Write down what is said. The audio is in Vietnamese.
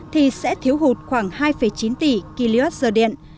thì sẽ thiếu hụt khoảng hai chín tỷ kwh điện